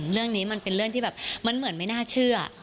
เรื่องนี้มันเป็นเรื่องที่แบบมันเหมือนไม่น่าเชื่อ